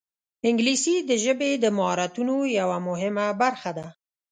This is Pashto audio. انګلیسي د ژبې د مهارتونو یوه مهمه برخه ده